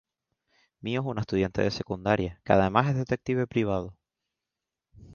Mio es una estudiante de secundaria, que además es detective privado.